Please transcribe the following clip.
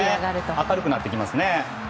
明るくなってきますね。